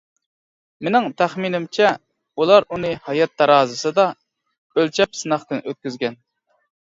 مېنىڭ تەخمىنىمچە، ئۇلار ئۇنى ھايات تارازىسىدا ئۆلچەپ سىناقتىن ئۆتكۈزگەن.